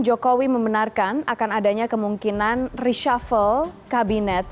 jokowi membenarkan akan adanya kemungkinan reshuffle kabinet